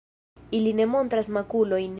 Ili ne montras makulojn.